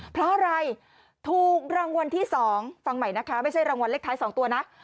เพราะอะไรถูกรางวัลที่๒ฟังใหม่นะคะไม่ใช่รางวัลเลขท้าย๒ตัวนะ